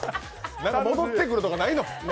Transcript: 何か戻ってくるとかないの？